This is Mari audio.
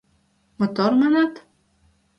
— Мотор, манат?